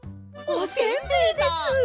おせんべいです！